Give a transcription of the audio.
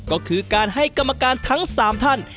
ก็คือการให้กรรมการทั้ง๓ท่าน